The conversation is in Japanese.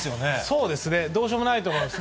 そうですね、どうしようもないと思います。